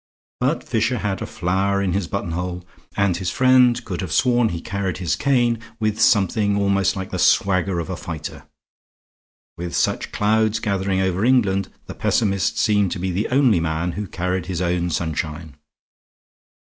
But Fisher had a flower in his buttonhole, and his friend could have sworn he carried his cane with something almost like the swagger of a fighter. With such clouds gathering over England, the pessimist seemed to be the only man who carried his own sunshine.